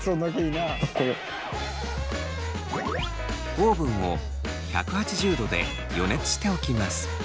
オーブンを１８０度で予熱しておきます。